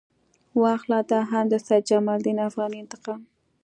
واخله دا هم د سید جمال الدین افغاني انتقام.